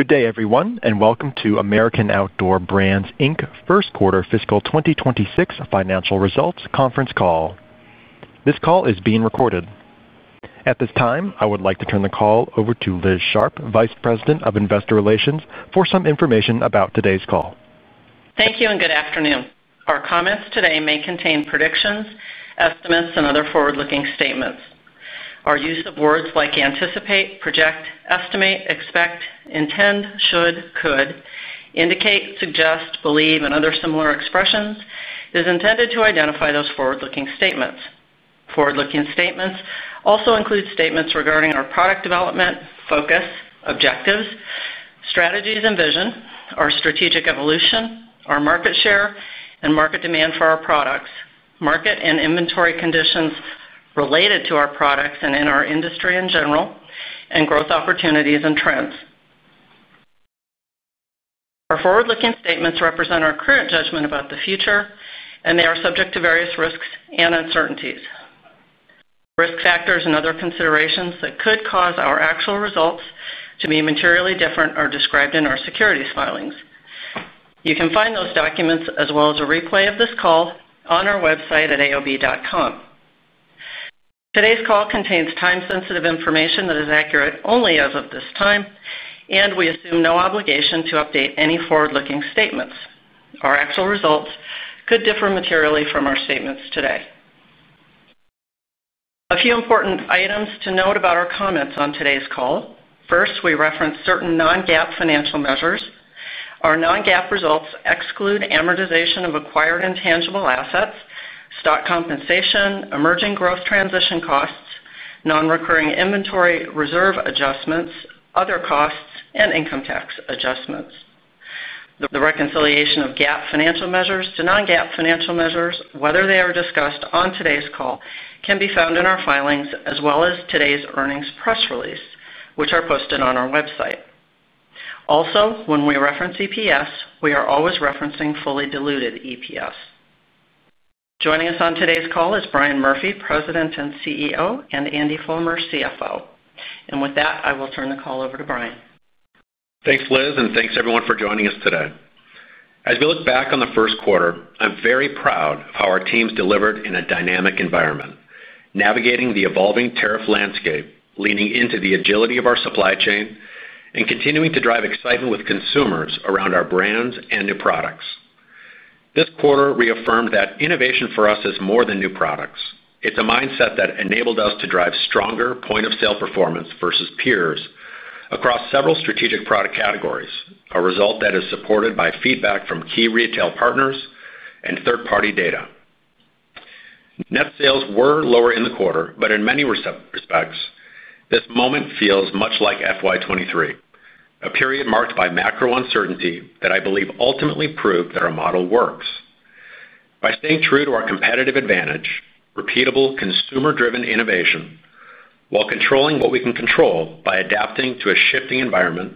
Good day, everyone, and welcome to American Outdoor Brands Inc. First Quarter Fiscal 2026 Financial Results Conference Call. This call is being recorded. At this time, I would like to turn the call over to Liz Sharp, Vice President of Investor Relations, for some information about today's call. Thank you, and good afternoon. Our comments today may contain predictions, estimates, and other forward-looking statements. Our use of words like "anticipate," "project," "estimate," "expect," "intend," "should," "could," "indicate," "suggest," "believe," and other similar expressions is intended to identify those forward-looking statements. Forward-looking statements also include statements regarding our product development, focus, objectives, strategies, and vision, our strategic evolution, our market share, and market demand for our products, market and inventory conditions related to our products and in our industry in general, and growth opportunities and trends. Our forward-looking statements represent our current judgment about the future, and they are subject to various risks and uncertainties, risk factors, and other considerations that could cause our actual results to be materially different or described in our securities filings. You can find those documents, as well as a replay of this call, on our website at AOB.com. Today's call contains time-sensitive information that is accurate only as of this time, and we assume no obligation to update any forward-looking statements. Our actual results could differ materially from our statements today. A few important items to note about our comments on today's call. First, we reference certain non-GAAP financial measures. Our non-GAAP results exclude amortization of acquired intangible assets, stock compensation, emerging gross transition costs, non-recurring inventory reserve adjustments, other costs, and income tax adjustments. The reconciliation of GAAP financial measures to non-GAAP financial measures, whether they are discussed on today's call, can be found in our filings, as well as today's earnings press release, which are posted on our website. Also, when we reference EPS, we’re always referencing fully diluted EPS. Joining us on today's call is Brian D. Murphy, President and CEO, and Andy Fulmer, CFO. With that, I will turn the call over to Brian. Thanks, Liz, and thanks everyone for joining us today. As we look back on the first quarter, I'm very proud of how our teams delivered in a dynamic environment, navigating the evolving tariff landscape, leaning into the agility of our supply chain, and continuing to drive excitement with consumers around our brands and new products. This quarter reaffirmed that innovation for us is more than new products. It's a mindset that enabled us to drive stronger point-of-sale (POS) performance versus peers across several strategic product categories, a result that is supported by feedback from key retail partners and third-party data. Net sales were lower in the quarter, but in many respects, this moment feels much like FY2023, a period marked by macro uncertainty that I believe ultimately proved that our model works. By staying true to our competitive advantage, repeatable consumer-driven innovation, while controlling what we can control by adapting to a shifting environment,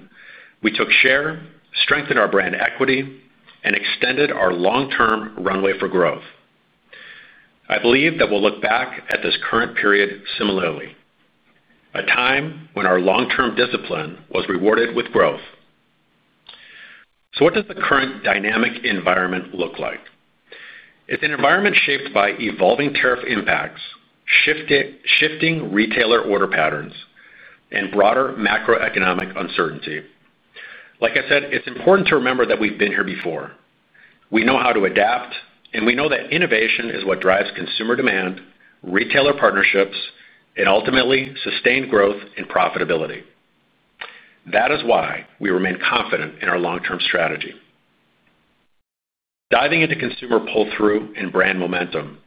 we took share, strengthened our brand equity, and extended our long-term runway for growth. I believe that we'll look back at this current period similarly, a time when our long-term discipline was rewarded with growth. What does the current dynamic environment look like? It's an environment shaped by evolving tariff impacts, shifting retailer order patterns, and broader macroeconomic uncertainty. Like I said, it's important to remember that we've been here before. We know how to adapt, and we know that innovation is what drives consumer demand, retailer partnerships, and ultimately sustained growth and profitability. That is why we remain confident in our long-term strategy. Diving into consumer pull-through and brand momentum,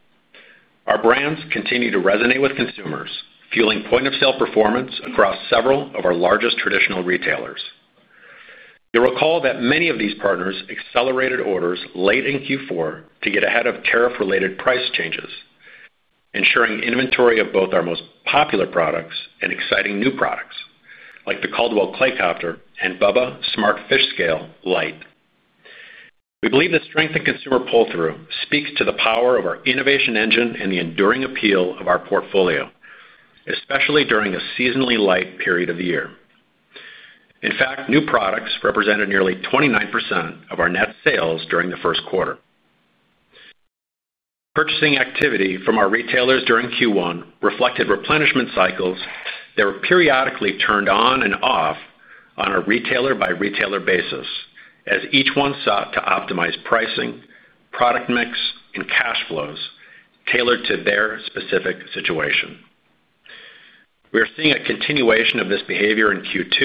our brands continue to resonate with consumers, fueling point-of-sale (POS) performance across several of our largest traditional retailers. You'll recall that many of these partners accelerated orders late in Q4 to get ahead of tariff-related price changes, ensuring inventory of both our most popular products and exciting new products, like the Caldwell Clay Copter and BUBBA Smart Fish Scale Light. We believe the strength in consumer pull-through speaks to the power of our innovation engine and the enduring appeal of our portfolio, especially during a seasonally light period of the year. In fact, new products represented nearly 29% of our net-sales during the first quarter. Purchasing activity from our retailers during Q1 reflected replenishment cycles that were periodically turned on and off on a retailer-by-retailer basis, as each one sought to optimize pricing, product mix, and cash flows tailored to their specific situation. we’re seeing a continuation of this behavior in Q2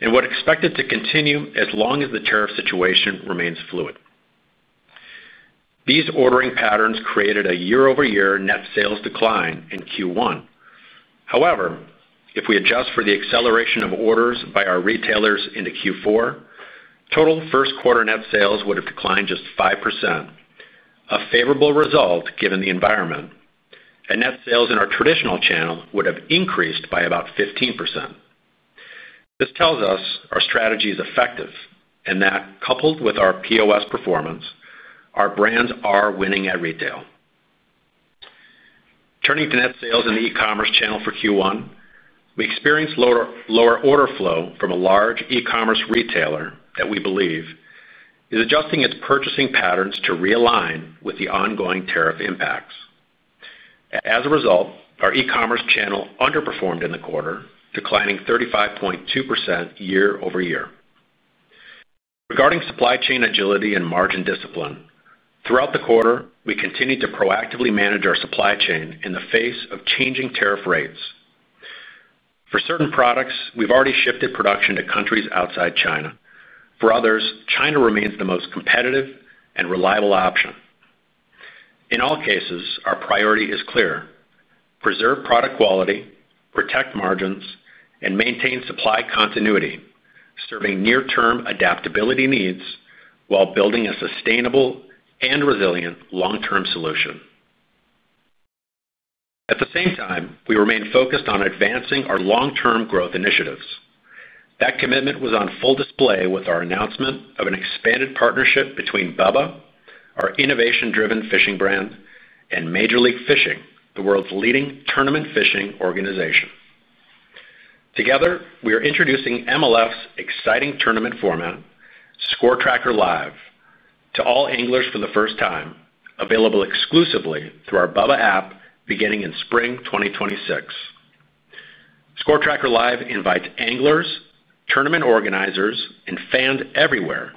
and would expect it to continue as long as the tariff situation remains fluid. These ordering patterns created a year-over-year net sales decline in Q1. However, if we adjust for the acceleration of orders by our retailers into Q4, total first-quarter net sales would have declined just 5%, a favorable result given the environment, and net sales in our traditional channel would have increased by about 15%. This tells us our strategy is effective and that, coupled with our POS performance, our brands are winning at retail. Turning to net sales in the e-commerce channel for Q1, we experienced lower order flow from a large e-commerce retailer that we believe is adjusting its purchasing patterns to realign with the ongoing tariff impacts. As a result, our e-commerce channel underperformed in the quarter, declining 35.2% year-over-year. Regarding supply chain agility and margin discipline, throughout the quarter, we continue to proactively manage our supply chain in the face of changing tariff rates. For certain products, we've already shifted production to countries outside China. For others, China remains the most competitive and reliable option. In all cases, our priority is clear: preserve product quality, protect margins, and maintain supply continuity, serving near-term adaptability needs while building a sustainable and resilient long-term solution. At the same time, we remain focused on advancing our long-term growth initiatives. That commitment was on full display with our announcement of an expanded partnership between BUBBA, our innovation-driven fishing brand, and Major League Fishing, the world's leading tournament fishing organization. Together, we’re introducing Major League Fishing's exciting tournament format, Score Tracker Live, to all anglers for the first time, available exclusively through our BUBBA app beginning in spring 2026. Score Tracker Live invites anglers, tournament organizers, and fans everywhere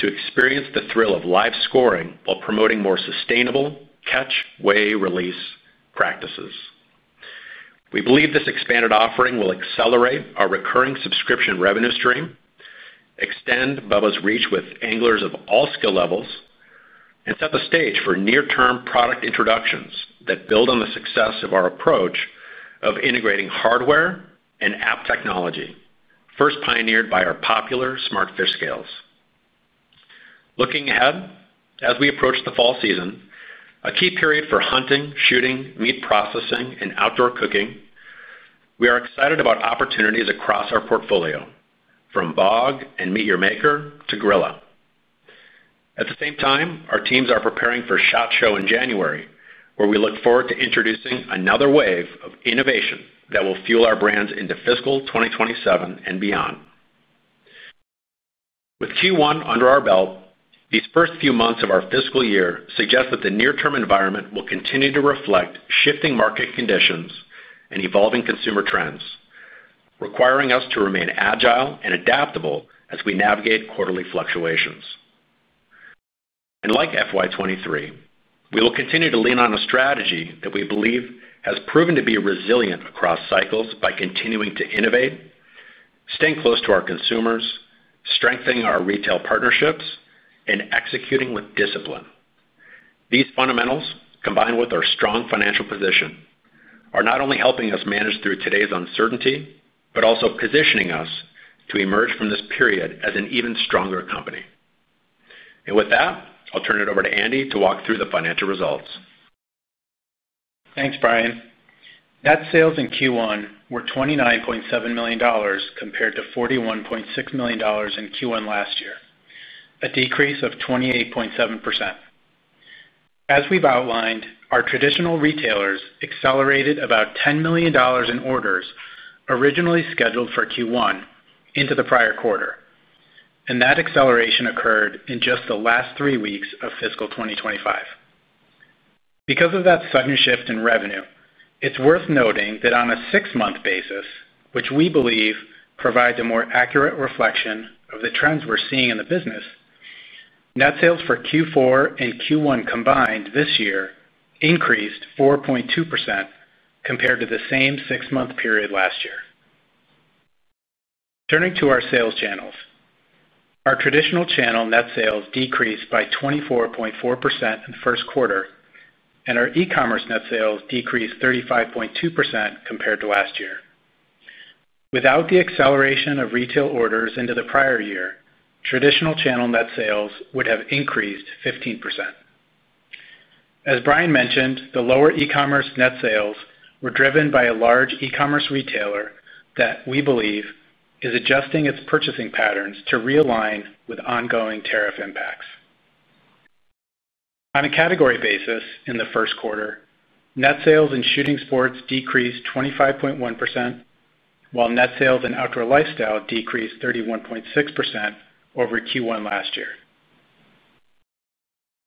to experience the thrill of live scoring while promoting more sustainable catch-way release practices. We believe this expanded offering will accelerate our recurring subscription revenue stream, extend BUBBA's reach with anglers of all skill levels, and set the stage for near-term product introductions that build on the success of our approach of integrating hardware and app technology, first pioneered by our popular Smart Fish Scales. Looking ahead, as we approach the fall season, a key period for hunting, shooting, meat processing, and outdoor cooking, we’re excited about opportunities across our portfolio, from BOG and MEAT! Your Maker to Grilla. At the same time, our teams are preparing for Shot Show in January, where we look forward to introducing another wave of innovation that will fuel our brands into fiscal 2027 and beyond. With Q1 under our belt, these first few months of our fiscal year suggest that the near-term environment will continue to reflect shifting market conditions and evolving consumer trends, requiring us to remain agile and adaptable as we navigate quarterly fluctuations. Like FY2023, we will continue to lean on a strategy that we believe has proven to be resilient across cycles by continuing to innovate, staying close to our consumers, strengthening our retail partnerships, and executing with discipline. These fundamentals, combined with our strong financial position, are not only helping us manage through today's uncertainty but also positioning us to emerge from this period as an even stronger company. With that, I'll turn it over to Andy to walk through the financial results. Thanks, Brian. Net sales in Q1 were $29.7 million compared to $41.6 million in Q1 last year, a decrease of 28.7%. As we've outlined, our traditional retailers accelerated about $10 million in orders originally scheduled for Q1 into the prior quarter, and that acceleration occurred in just the last three weeks of fiscal 2025. Because of that sudden shift in revenue, it's worth noting that on a six-month basis, which we believe provides a more accurate reflection of the trends we're seeing in the business, net sales for Q4 and Q1 combined this year increased 4.2% compared to the same six-month period last year. Turning to our sales channels, our traditional channel net sales decreased by 24.4% in the first quarter, and our e-commerce net sales decreased 35.2% compared to last year. Without the acceleration of retail orders into the prior year, traditional channel net sales would have increased 15%. As Brian mentioned, the lower e-commerce net sales were driven by a large e-commerce retailer that we believe is adjusting its purchasing patterns to realign with ongoing tariff impacts. On a category basis, in the first quarter, net sales in shooting sports decreased 25.1%, while net sales in outdoor lifestyle decreased 31.6% over Q1 last year.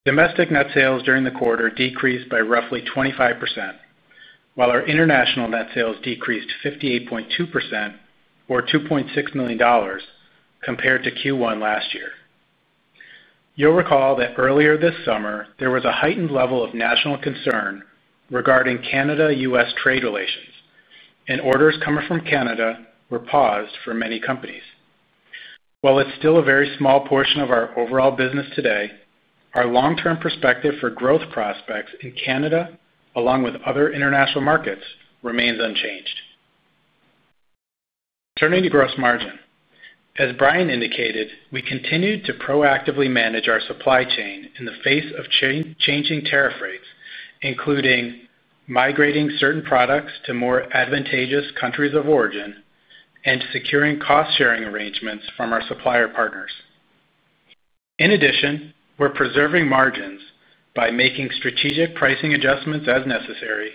Domestic net sales during the quarter decreased by roughly 25%, while our international net sales decreased 58.2% or $2.6 million compared to Q1 last year. You'll recall that earlier this summer, there was a heightened level of national concern regarding Canada-U.S. trade relations, and orders coming from Canada were paused for many companies. While it's still a very small portion of our overall business today, our long-term perspective for growth prospects in Canada, along with other international markets, remains unchanged. Turning to gross margin, as Brian indicated, we continued to proactively manage our supply chain in the face of changing tariff rates, including migrating certain products to more advantageous countries of origin and securing cost-sharing arrangements from our supplier partners. In addition, we're preserving margins by making strategic pricing adjustments as necessary,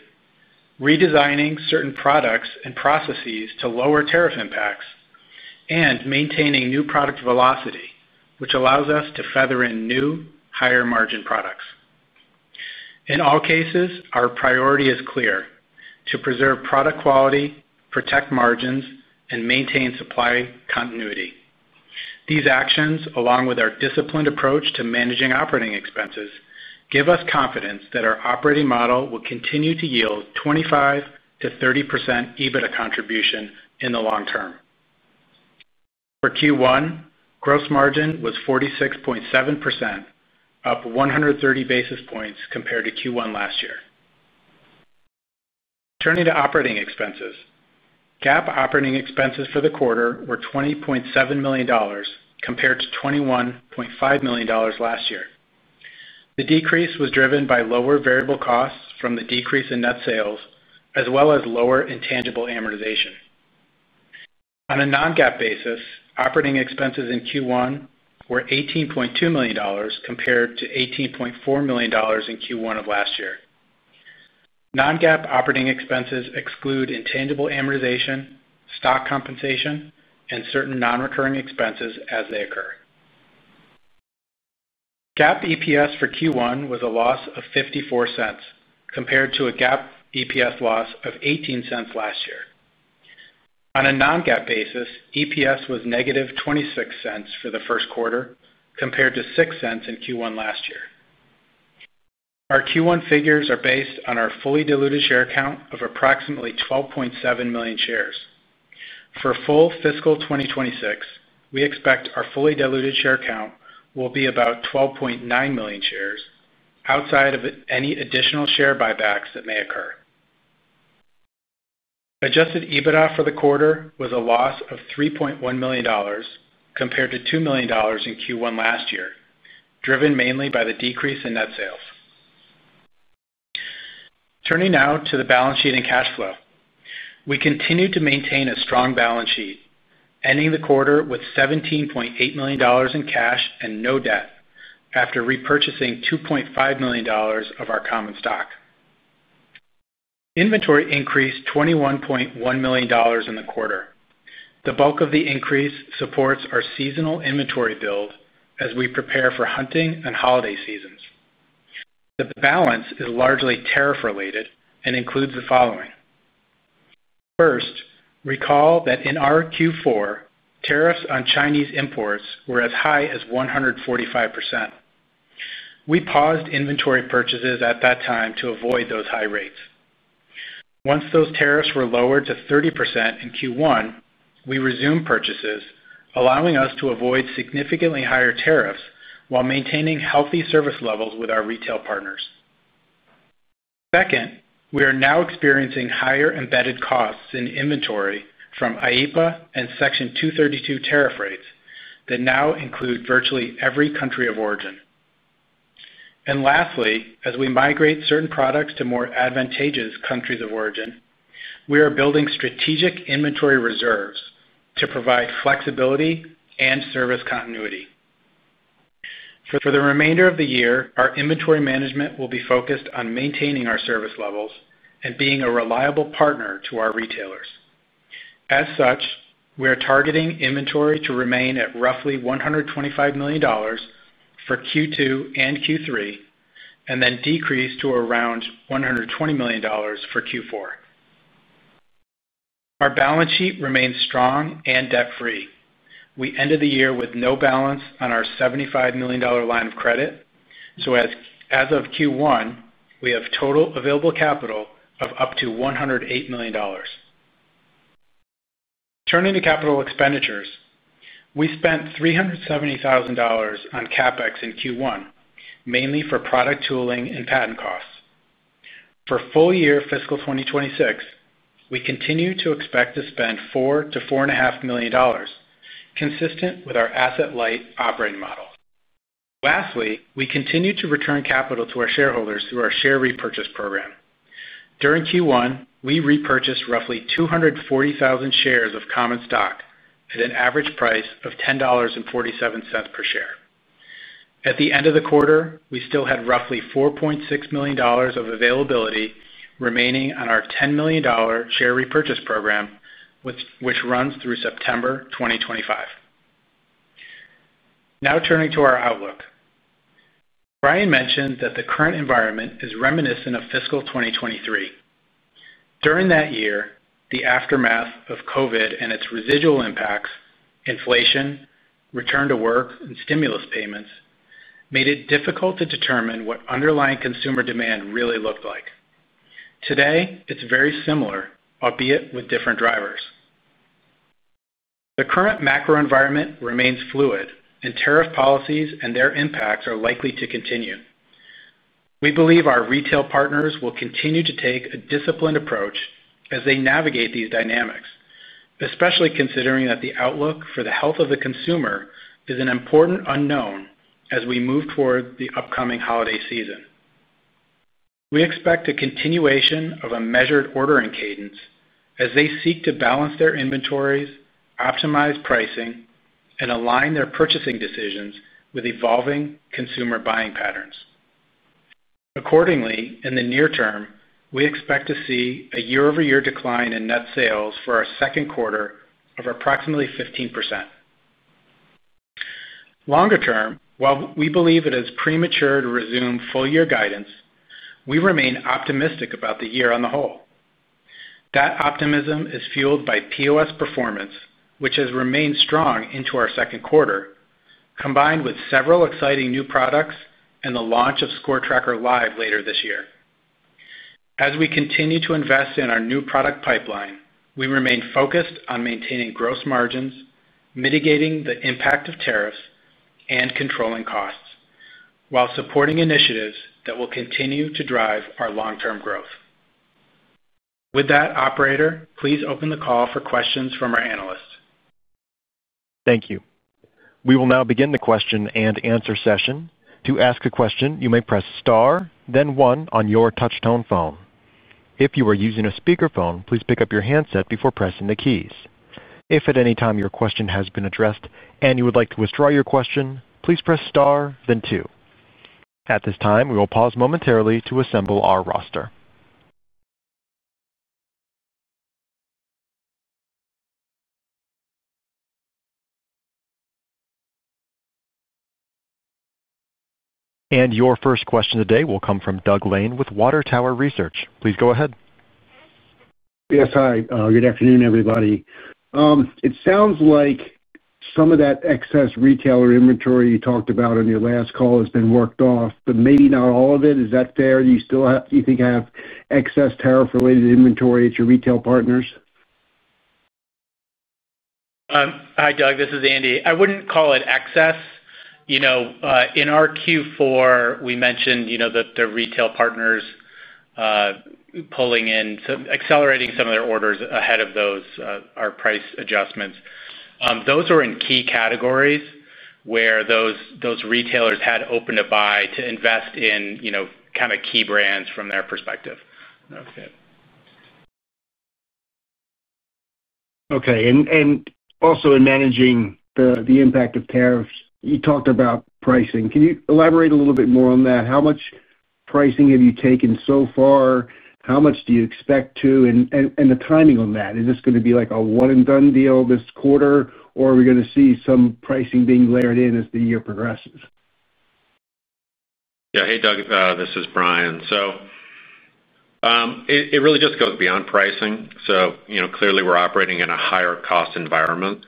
redesigning certain products and processes to lower tariff impacts, and maintaining new product velocity, which allows us to feather in new, higher margin products. In all cases, our priority is clear: to preserve product quality, protect margins, and maintain supply continuity. These actions, along with our disciplined approach to managing operating expenses, give us confidence that our operating model will continue to yield 25%-30% EBITDA contribution in the long term. For Q1, gross margin was 46.7%, up 130 basis points compared to Q1 last year. Turning to operating expenses, GAAP operating expenses for the quarter were $20.7 million compared to $21.5 million last year. The decrease was driven by lower variable costs from the decrease in net sales, as well as lower intangible amortization. On a non-GAAP basis, operating expenses in Q1 were $18.2 million compared to $18.4 million in Q1 of last year. Non-GAAP operating expenses exclude intangible amortization, stock compensation, and certain non-recurring expenses as they occur. GAAP EPS for Q1 was a loss of $0.54 compared to a GAAP EPS loss of $0.18 last year. On a non-GAAP basis, EPS was negative $0.26 for the first quarter compared to $0.06 in Q1 last year. Our Q1 figures are based on our fully diluted share count of approximately 12.7 million shares. For full fiscal 2026, we expect our fully diluted share count will be about 12.9 million shares outside of any additional share buybacks that may occur. Adjusted EBITDA for the quarter was a loss of $3.1 million compared to $2 million in Q1 last year, driven mainly by the decrease in net sales. Turning now to the balance sheet and cash flow, we continue to maintain a strong balance sheet, ending the quarter with $17.8 million in cash and no debt, after repurchasing $2.5 million of our common stock. Inventory increased $21.1 million in the quarter. The bulk of the increase supports our seasonal inventory build as we prepare for hunting and holiday seasons. The balance is largely tariff-related and includes the following. First, recall that in our Q4, tariffs on Chinese imports were as high as 145%. We paused inventory purchases at that time to avoid those high rates. Once those tariffs were lowered to 30% in Q1, we resumed purchases, allowing us to avoid significantly higher tariffs while maintaining healthy service levels with our retail partners. Second, we’re now experiencing higher embedded costs in inventory from IEPA and Section 232 tariff rates that now include virtually every country of origin. Lastly, as we migrate certain products to more advantageous countries of origin, we’re building strategic inventory reserves to provide flexibility and service continuity. For the remainder of the year, our inventory management will be focused on maintaining our service levels and being a reliable partner to our retailers. As such, we’re targeting inventory to remain at roughly $125 million for Q2 and Q3, and then decrease to around $120 million for Q4. Our balance sheet remains strong and debt-free. We ended the year with no balance on our $75 million line of credit, so as of Q1, we have total available capital of up to $108 million. Turning to capital expenditures, we spent $370,000 on CapEx in Q1, mainly for product tooling and patent costs. For full-year fiscal 2026, we continue to expect to spend $4-$4.5 million, consistent with our asset light operating model. Lastly, we continue to return capital to our shareholders through our share repurchase program. During Q1, we repurchased roughly 240,000 shares of common stock at an average price of $10.47 per share. At the end of the quarter, we still had roughly $4.6 million of availability remaining on our $10 million share repurchase program, which runs through September 2025. Now turning to our outlook, Brian mentioned that the current environment is reminiscent of fiscal 2023. During that year, the aftermath of COVID and its residual impacts, inflation, return to work, and stimulus payments made it difficult to determine what underlying consumer demand really looked like. Today, it's very similar, albeit with different drivers. The current macro environment remains fluid, and tariff policies and their impacts are likely to continue. We believe our retail partners will continue to take a disciplined approach as they navigate these dynamics, especially considering that the outlook for the health of the consumer is an important unknown as we move toward the upcoming holiday season. We expect a continuation of a measured ordering cadence as they seek to balance their inventories, optimize pricing, and align their purchasing decisions with evolving consumer buying patterns. Accordingly, in the near term, we expect to see a year-over-year decline in net sales for our second quarter of approximately 15%. Longer term, while we believe it is premature to resume full-year guidance, we remain optimistic about the year on the whole. That optimism is fueled by POS performance, which has remained strong into our second quarter, combined with several exciting new products and the launch of Score Tracker Live later this year. As we continue to invest in our new product pipeline, we remain focused on maintaining gross margins, mitigating the impact of tariffs, and controlling costs while supporting initiatives that will continue to drive our long-term growth. With that, operator, please open the call for questions from our analysts. Thank you. We will now begin the question and answer session. To ask a question, you may press star, then one on your touch-tone phone. If you are using a speaker phone, please pick up your handset before pressing the keys. If at any time your question has been addressed and you would like to withdraw your question, please press star, then two. At this time, we will pause momentarily to assemble our roster. Your first question today will come from Doug Lane with Water Tower Research. Please go ahead. Yes, hi. Good afternoon, everybody. It sounds like some of that excess retailer inventory you talked about on your last call has been worked off, but maybe not all of it. Is that fair? Do you still have, you think, have excess tariff-related inventory at your retail partners? Hi, Doug. This is Andy. I wouldn't call it excess. In our Q4, we mentioned that the retail partners are pulling in, accelerating some of their orders ahead of those price adjustments. Those are in key categories where those retailers had opened a buy to invest in key brands from their perspective. Okay. Also, in managing the impact of tariffs, you talked about pricing. Can you elaborate a little bit more on that? How much pricing have you taken so far? How much do you expect to, and the timing on that? Is this going to be like a one-and-done deal this quarter, or are we going to see some pricing being layered in as the year progresses? Yeah. Hey, Doug. This is Brian. It really just goes beyond pricing. You know, clearly, we're operating in a higher-cost environment.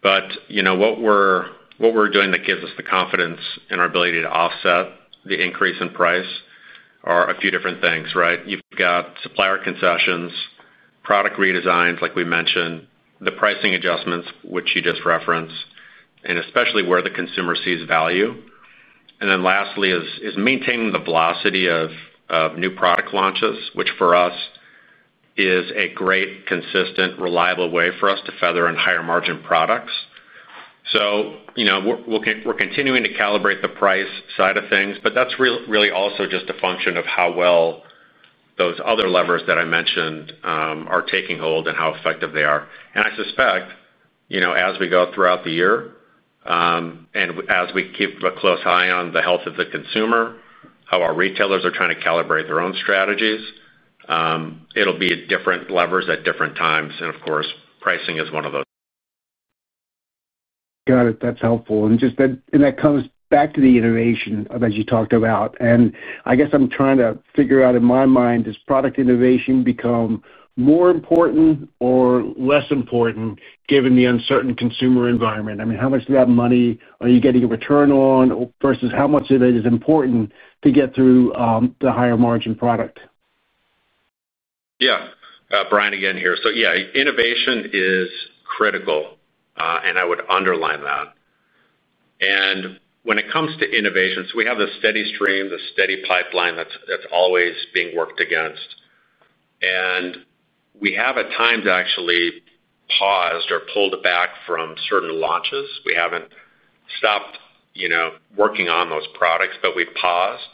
What we're doing that gives us the confidence in our ability to offset the increase in price are a few different things, right? You've got supplier concessions, product redesigns, like we mentioned, the pricing adjustments, which you just referenced, and especially where the consumer sees value. Lastly is maintaining the velocity of new product launches, which for us is a great, consistent, reliable way for us to feather in higher margin products. We're continuing to calibrate the price side of things, but that's really also just a function of how well those other levers that I mentioned are taking hold and how effective they are. I suspect, as we go throughout the year, and as we keep a close eye on the health of the consumer, how our retailers are trying to calibrate their own strategies, it'll be different levers at different times. Of course, pricing is one of those. Got it. That's helpful. That comes back to the innovation that you talked about. I guess I'm trying to figure out, in my mind, does product innovation become more important or less important given the uncertain consumer environment? I mean, how much of that money are you getting a return on versus how much of it is important to get through the higher margin product? Yeah. Brian again here. Innovation is critical, and I would underline that. When it comes to innovation, we have the steady stream, the steady pipeline that's always being worked against. We have at times actually paused or pulled it back from certain launches. We haven't stopped working on those products, but we've paused.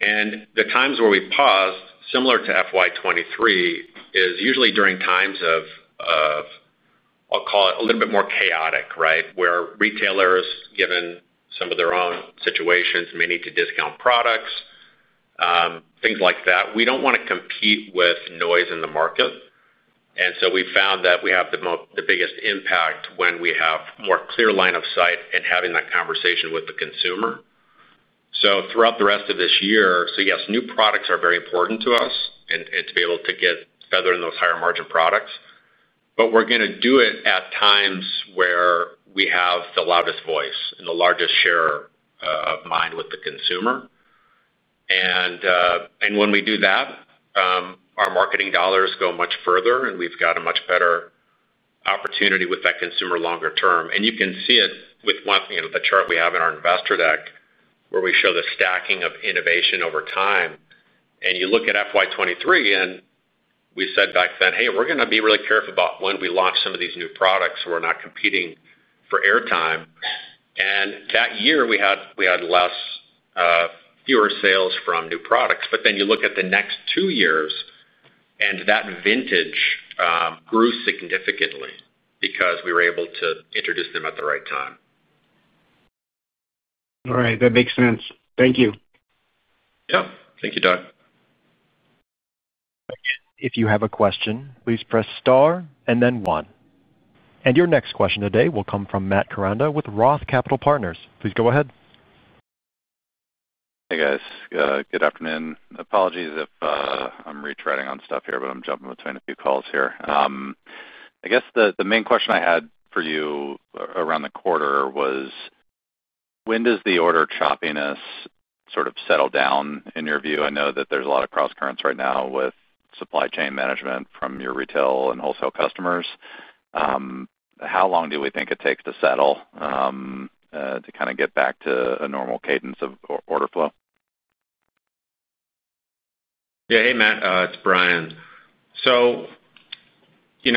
The times where we paused, similar to FY2023, is usually during times of, I'll call it, a little bit more chaotic, right? Where retailers, given some of their own situations, may need to discount products, things like that. We don't want to compete with noise in the market. We found that we have the biggest impact when we have a more clear line of sight and having that conversation with the consumer. Throughout the rest of this year, yes, new products are very important to us and to be able to get feathered in those higher margin products. We're going to do it at times where we have the loudest voice and the largest share of mind with the consumer. When we do that, our marketing dollars go much further, and we've got a much better opportunity with that consumer longer term. You can see it with the chart we have in our investor deck where we show the stacking of innovation over time. You look at FY2023, and we said back then, "Hey, we're going to be really careful about when we launch some of these new products so we're not competing for airtime." That year, we had fewer sales from new products. You look at the next two years, and that vintage grew significantly because we were able to introduce them at the right time. All right, that makes sense. Thank you. Yeah, thank you, Doug. If you have a question, please press star and then one. Your next question today will come from Matt Kuranda with Roth Capital Partners. Please go ahead. Hey, guys. Good afternoon. Apologies if I'm retreading on stuff here, but I'm jumping between a few calls. I guess the main question I had for you around the quarter was, when does the order choppiness sort of settle down in your view? I know that there's a lot of cross-currents right now with supply chain management from your retail and wholesale customers. How long do we think it takes to settle, to kind of get back to a normal cadence of order flow? Yeah. Hey, Matt. It's Brian.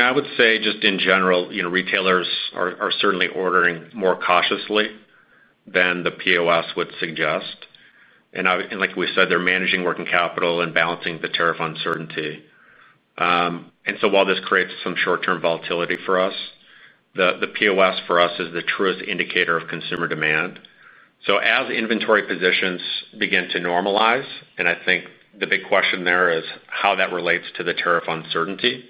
I would say just in general, retailers are certainly ordering more cautiously than the POS would suggest. Like we said, they're managing working capital and balancing the tariff uncertainty. While this creates some short-term volatility for us, the POS for us is the truest indicator of consumer demand. As inventory positions begin to normalize, I think the big question there is how that relates to the tariff uncertainty.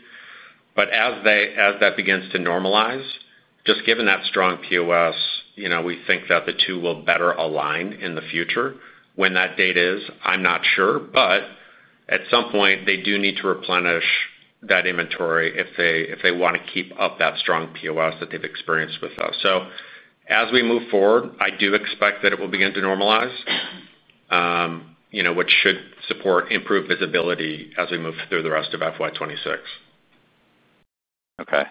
As that begins to normalize, just given that strong POS, we think that the two will better align in the future. When that date is, I'm not sure, but at some point, they do need to replenish that inventory if they want to keep up that strong POS that they've experienced with us. As we move forward, I do expect that it will begin to normalize, which should support improved visibility as we move through the rest of FY2026. Okay.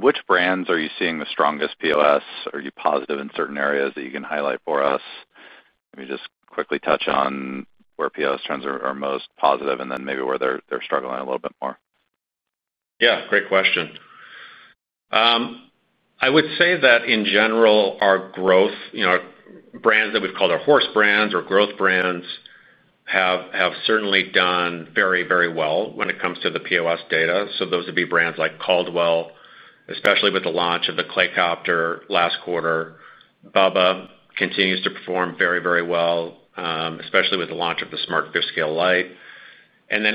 Which brands are you seeing the strongest POS? Are you positive in certain areas that you can highlight for us? Maybe just quickly touch on where POS trends are most positive and then maybe where they're struggling a little bit more. Yeah, great question. I would say that in general, our growth, you know, our brands that we've called our horse brands or growth brands have certainly done very, very well when it comes to the POS data. Those would be brands like Caldwell, especially with the launch of the Caldwell Clay Copter last quarter. BUBBA continues to perform very, very well, especially with the launch of the BUBBA Smart Fish Scale Light.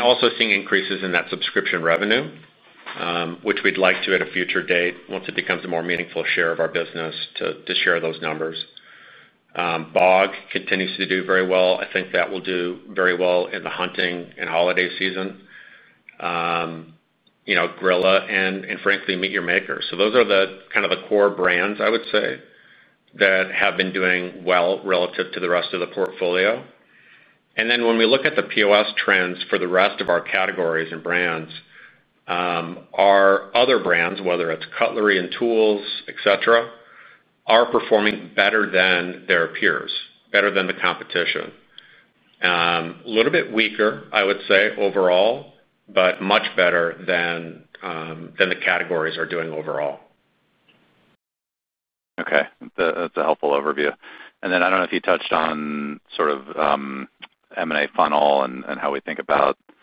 Also seeing increases in that subscription revenue, which we'd like to at a future date once it becomes a more meaningful share of our business to share those numbers. BOG continues to do very well. I think that will do very well in the hunting and holiday season. You know, Grilla and, frankly, MEAT! Your Maker. Those are the kind of the core brands I would say that have been doing well relative to the rest of the portfolio. When we look at the POS trends for the rest of our categories and brands, our other brands, whether it's cutlery and tools, etc., are performing better than their peers, better than the competition. A little bit weaker, I would say, overall, but much better than the categories are doing overall. Okay. That's a helpful overview. I don't know if you touched on sort of M&A funnel and how we think about the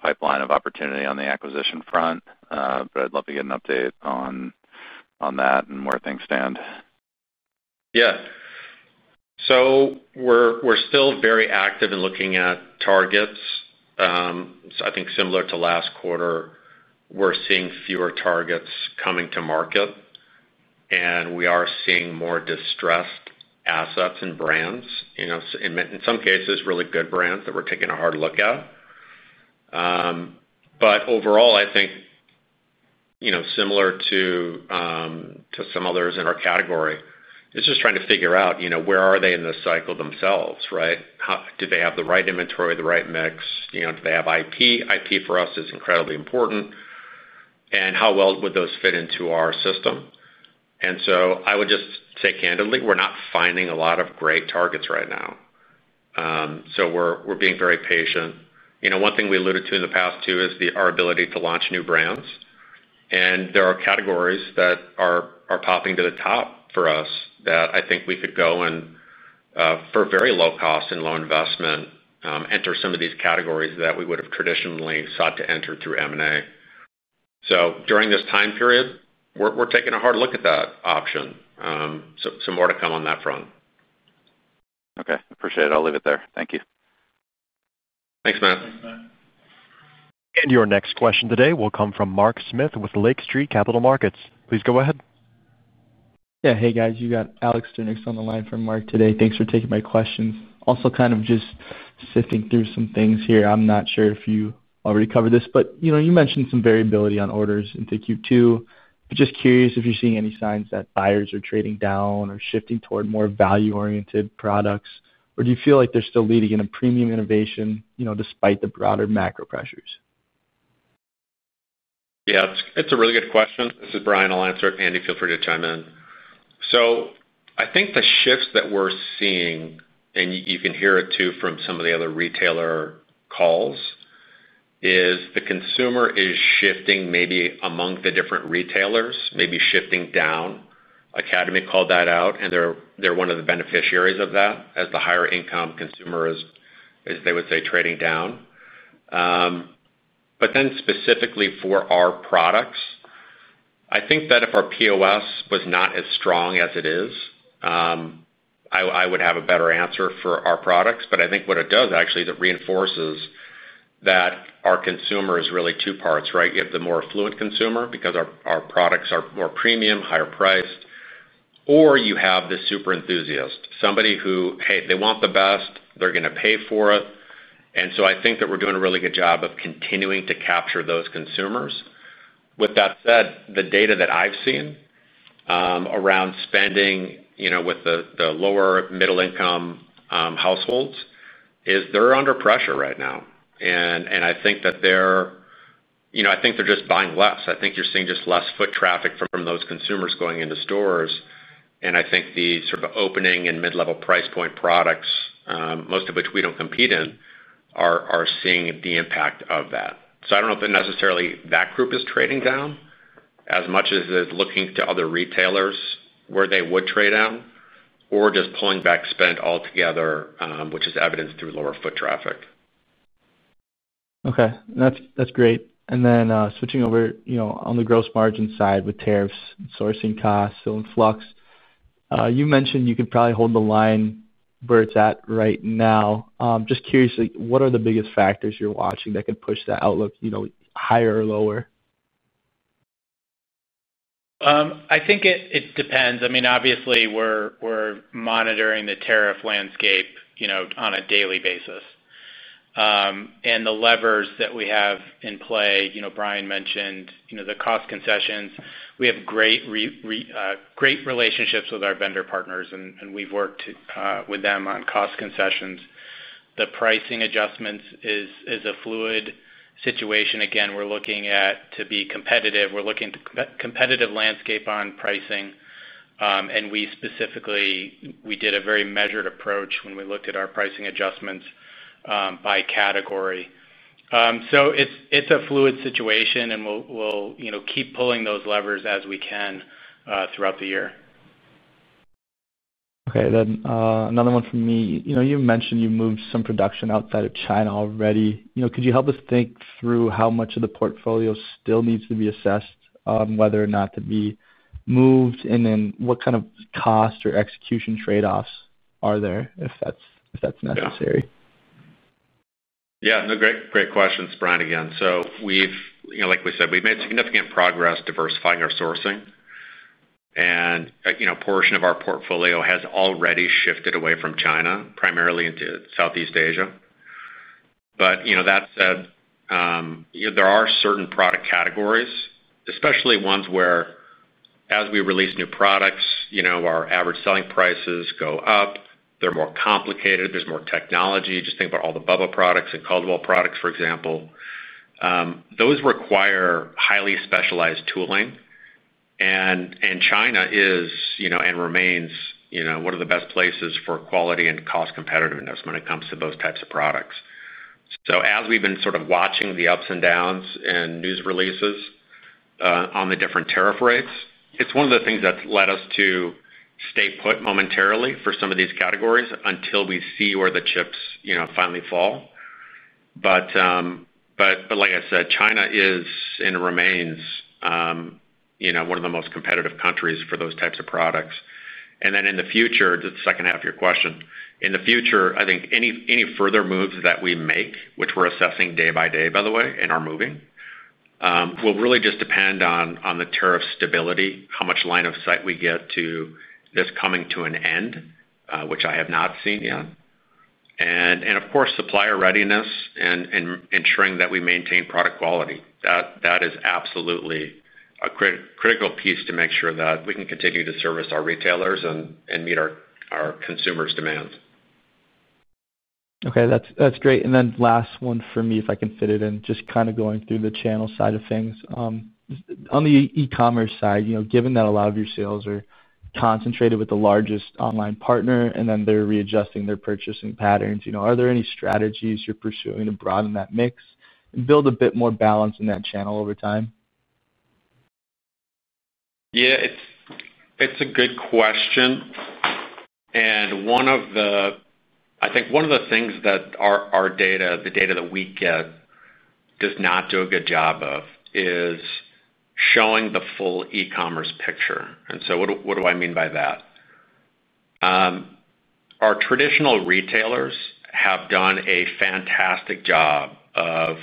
pipeline of opportunity on the acquisition front, but I'd love to get an update on that and where things stand. Yeah. We're still very active in looking at targets. I think similar to last quarter, we're seeing fewer targets coming to market, and we’re seeing more distressed assets and brands, you know, in some cases, really good brands that we're taking a hard look at. Overall, I think, you know, similar to some others in our category, it's just trying to figure out, you know, where are they in the cycle themselves, right? Do they have the right inventory, the right mix? You know, do they have IP? IP for us is incredibly important. How well would those fit into our system? I would just say candidly, we're not finding a lot of great targets right now. We're being very patient. One thing we alluded to in the past, too, is our ability to launch new brands. There are categories that are popping to the top for us that I think we could go and, for very low cost and low investment, enter some of these categories that we would have traditionally sought to enter through M&A. During this time period, we're taking a hard look at that option. More to come on that front. Okay. Appreciate it. I'll leave it there. Thank you. Thanks, Matt. Your next question today will come from Mark Smith with Lake Street Capital Markets. Please go ahead. Yeah. Hey, guys. You got Alex Dennis on the line from Mark today. Thanks for taking my questions. Also, just sifting through some things here. I'm not sure if you already covered this, but you mentioned some variability on orders into Q2. I'm just curious if you're seeing any signs that buyers are trading down or shifting toward more value-oriented products, or do you feel like they're still leading in a premium innovation, despite the broader macro pressures? Yeah, it's a really good question. This is Brian. I'll answer. Andy, feel free to chime in. I think the shifts that we're seeing, and you can hear it too from some of the other retailer calls, is the consumer is shifting maybe among the different retailers, maybe shifting down. Academy Sports and Outdoors called that out, and they're one of the beneficiaries of that as the higher-income consumer is, as they would say, trading down. Specifically for our products, I think that if our POS was not as strong as it is, I would have a better answer for our products. I think what it does actually reinforces that our consumer is really two parts, right? You have the more affluent consumer because our products are more premium, higher priced, or you have the super enthusiast, somebody who, hey, they want the best, they're going to pay for it. I think that we're doing a really good job of continuing to capture those consumers. With that said, the data that I've seen around spending, you know, with the lower middle-income households is they're under pressure right now. I think that they're just buying less. I think you're seeing just less foot traffic from those consumers going into stores. I think the sort of opening and mid-level price point products, most of which we don't compete in, are seeing the impact of that. I don't know if necessarily that group is trading down as much as they're looking to other retailers where they would trade down or just pulling back spend altogether, which is evidenced through lower foot traffic. Okay. That's great. Switching over, on the gross margin side with tariffs, sourcing costs in flux, you mentioned you could probably hold the line where it's at right now. Just curious, what are the biggest factors you're watching that could push that outlook higher or lower? I think it depends. Obviously, we're monitoring the tariff landscape on a daily basis. The levers that we have in play, Brian mentioned the cost concessions. We have great relationships with our vendor partners, and we've worked with them on cost concessions. The pricing adjustments are a fluid situation. We're looking to be competitive. We're looking at a competitive landscape on pricing. We specifically did a very measured approach when we looked at our pricing adjustments by category. It's a fluid situation, and we'll keep pulling those levers as we can throughout the year. Okay. You mentioned you moved some production outside of China already. Could you help us think through how much of the portfolio still needs to be assessed, whether or not to be moved, and what kind of cost or execution trade-offs are there, if that's necessary? Yeah. No, great questions, Brian, again. We've, like we said, made significant progress diversifying our sourcing. A portion of our portfolio has already shifted away from China, primarily into Southeast Asia. That said, there are certain product categories, especially ones where, as we release new products, our average selling prices go up. They're more complicated. There's more technology. Just think about all the BUBBA products and Caldwell products, for example. Those require highly specialized tooling. China is, and remains, one of the best places for quality and cost-competitiveness when it comes to those types of products. As we've been watching the ups and downs and news releases on the different tariff rates, it's one of the things that's led us to stay put momentarily for some of these categories until we see where the chips finally fall. China is and remains one of the most competitive countries for those types of products. In the future, the second half of your question, in the future, I think any further moves that we make, which we're assessing day by day, by the way, and are moving, will really just depend on the tariff stability, how much line of sight we get to this coming to an end, which I have not seen yet. Of course, supplier readiness and ensuring that we maintain product quality is absolutely a critical piece to make sure that we can continue to service our retailers and meet our consumers' demands. Okay. That's great. Last one for me, if I can fit it in, just kind of going through the channel side of things. On the e-commerce side, you know, given that a lot of your sales are concentrated with the largest online partner and then they're readjusting their purchasing patterns, you know, are there any strategies you're pursuing to broaden that mix and build a bit more balance in that channel over time? Yeah, it's a good question. One of the things that our data, the data that we get, does not do a good job of is showing the full e-commerce picture. What do I mean by that? Our traditional retailers have done a fantastic job of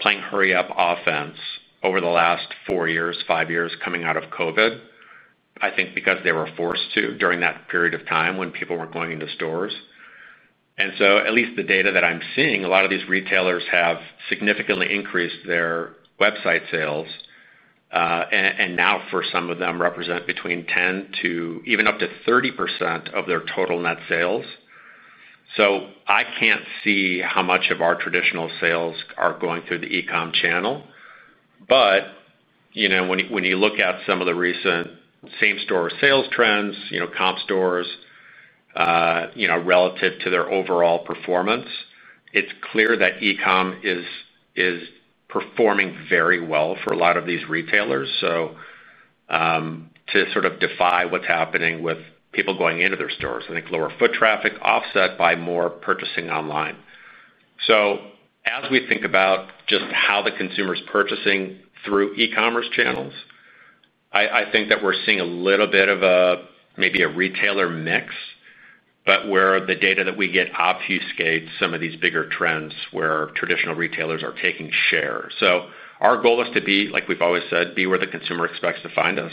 playing hurry-up offense over the last four years, five years coming out of COVID, I think because they were forced to during that period of time when people weren't going into stores. At least the data that I'm seeing, a lot of these retailers have significantly increased their website sales, and now for some of them represent between 10% to even up to 30% of their total net sales. I can't see how much of our traditional sales are going through the e-com channel. When you look at some of the recent same-store sales trends, comp stores, relative to their overall performance, it's clear that e-com is performing very well for a lot of these retailers. To sort of defy what's happening with people going into their stores, I think lower foot traffic is offset by more purchasing online. As we think about just how the consumer is purchasing through e-commerce channels, I think that we're seeing a little bit of maybe a retailer mix, but where the data that we get obfuscates some of these bigger trends where traditional retailers are taking share. Our goal is to be, like we've always said, be where the consumer expects to find us.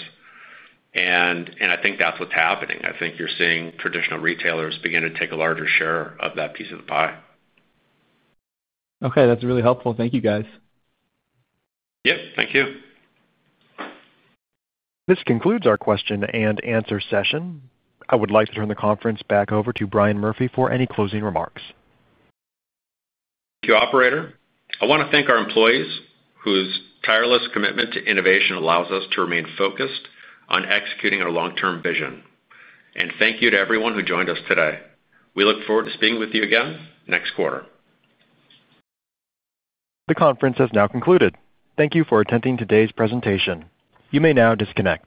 I think that's what's happening. I think you're seeing traditional retailers begin to take a larger share of that piece of the pie. Okay, that's really helpful. Thank you, guys. Yeah, thank you. This concludes our question and answer session. I would like to turn the conference back over to Brian D. Murphy for any closing remarks. Thank you, operator. I want to thank our employees whose tireless commitment to innovation allows us to remain focused on executing our long-term vision. Thank you to everyone who joined us today. We look forward to speaking with you again next quarter. The conference has now concluded. Thank you for attending today's presentation. You may now disconnect.